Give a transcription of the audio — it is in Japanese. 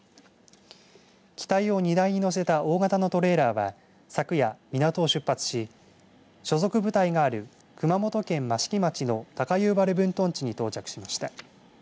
機体を荷台に載せた大型のトレーラーは昨夜港を出発し所属部隊がある熊本県益城町の高遊原分屯地に到着しました。